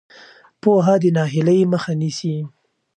پوهه د ناهیلۍ مخه نیسي.